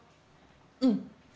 うん。